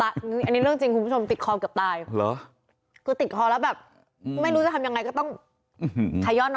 อันนี้เรื่องจริงคุณผู้ชมติดคอเกือบตาย